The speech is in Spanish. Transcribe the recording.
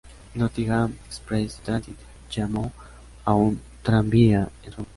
Nottingham Express Transit llamó a un tranvía en su honor.